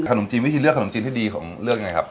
ขนมจีนวิธีเลือกขนมจีนที่ดีของเลือกไงครับ